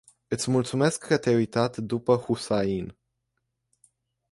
Iti multumesc ca te-ai uitat dupa Hussain.